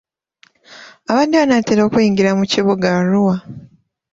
Abadde anaatera okuyingira mu kibuga Arua.